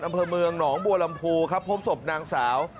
อำเภอเมืองหนองบัวลำพูครับพบศพนางสาว